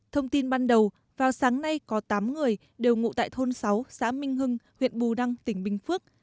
thông tin ban đầu vào sáng nay có tám người đều ngụ tại thôn sáu xã minh hưng huyện bù đăng tỉnh bình phước